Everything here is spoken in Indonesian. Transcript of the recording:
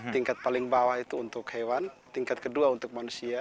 tingkat paling bawah itu untuk hewan tingkat kedua untuk manusia